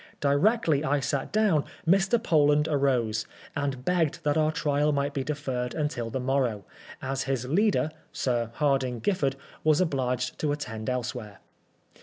Directly I sat down Mr. Poland arose, and begged that our trial might be deferred un til the morrow, as his leader, Sir Hardinge Oiffard, was obliged to attend elsewhere.